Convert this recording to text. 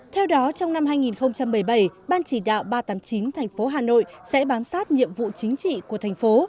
theo đó trong năm hai nghìn một mươi bảy ban chỉ đạo ba trăm tám mươi chín thành phố hà nội sẽ bám sát nhiệm vụ chính trị của thành phố